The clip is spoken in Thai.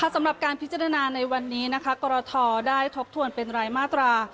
สำหรับการพิจารณาในวันนี้กรทได้ทบทวนเป็นรายมาตรา